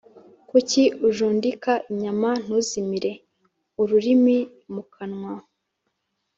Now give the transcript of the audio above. Kuki ujundika inyama ntuzimire ?-Ururimi mu kanwa.